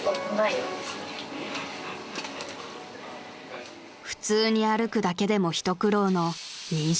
［普通に歩くだけでも一苦労の妊娠６カ月］